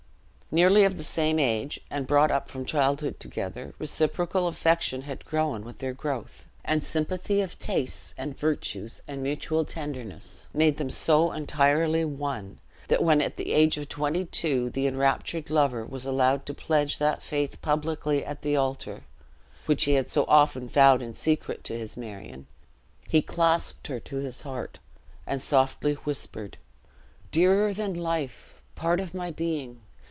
Nearly of the same age, and brought up from childhood together, reciprocal affection had grown with their growth; and sympathy of tastes and virtues, and mutual tenderness, made them so entirely one, that when at the age of twenty two the enraptured lover was allowed to pledge that faith publicly at the altar, which he had so often vowed in secret to his Marion, he clasped her to his heart, and softly whispered: "Dearer than life! part of my being!